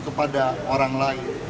kepada orang lain